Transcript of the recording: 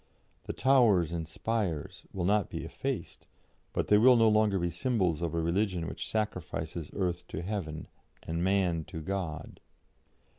The 'towers and spires' will not be effaced, but they will no longer be symbols of a religion which sacrifices earth to heaven and Man to God."